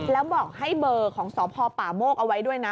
แล้วบอกให้เบอร์ของสพป่าโมกเอาไว้ด้วยนะ